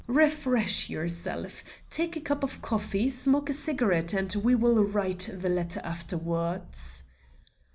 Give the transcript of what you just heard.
"Refresh yourself; take a cup of coffee, smoke a cigarette, and we will write the letter afterwards."